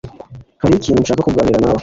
Hariho ikintu nshaka kuganira nawe.